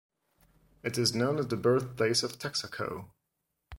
It is known as the birthplace of Texaco.